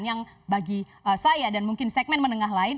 yang bagi saya dan mungkin segmen menengah lain